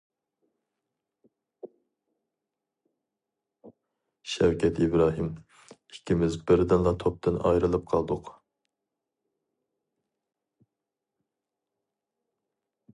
شەۋكەت ئىبراھىم ئىككىمىز بىردىنلا توپتىن ئايرىلىپ قالدۇق.